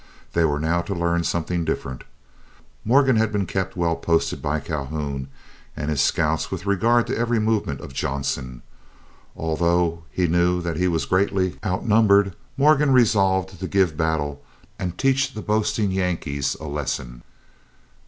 They were now to learn something different. Morgan had been kept well posted by Calhoun and his scouts with regard to every movement of Johnson. Although he knew that he was greatly outnumbered, Morgan resolved to give battle and teach the boasting Yankees a lesson.